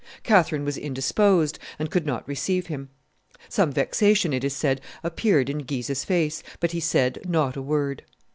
Catherine was indisposed, and could not receive him. Some vexation, it is said, appeared in Guise's face, but he said not a word.